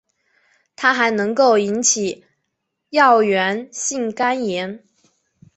它还能够引起药源性肝炎。